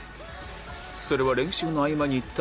それは練習の合間に行った